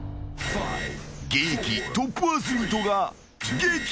［現役トップアスリートが激突］